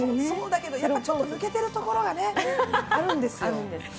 そうだけど、ちょっと抜けてるところがあるんですよ。